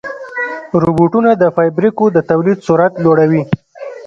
روبوټونه د فابریکو د تولید سرعت لوړوي.